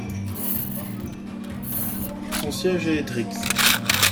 Son siège est Driggs.